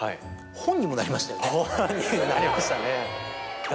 本になりましたね。